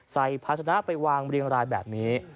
ภาชนะไปวางเรียงรายแบบนี้